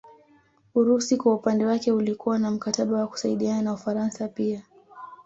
Urusi kwa upande wake ulikuwa na mkataba wa kusaidiana na Ufaransa pia